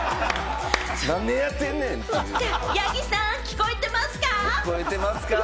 八木さん、聞こえてますか？